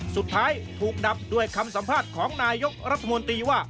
สุดท้ายถูกดับด้วยคำสัมภาษณ์ของนายกรัฐมนตรีว่า